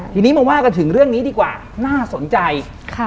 ทีนี้มาว่ากันถึงเรื่องนี้ดีกว่าน่าสนใจค่ะ